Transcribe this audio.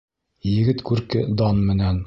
Егет күрке дан менән.